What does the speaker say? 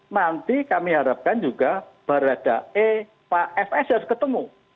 nanti kami harapkan juga baradae pak fs harus ketemu